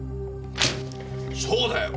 そうだよ。